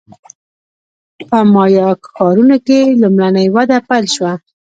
په مایا ښارونو کې لومړنۍ وده پیل شوه